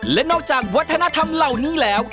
และนอกจากวัฒนธรรมเหล่านี้แล้ว